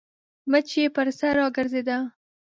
مچ يې پر سر راګرځېده.